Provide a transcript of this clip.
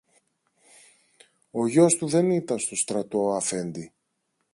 Ο γιος του δεν ήταν στο στρατό, Αφέντη.